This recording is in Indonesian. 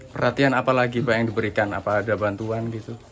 perhatian apa lagi yang diberikan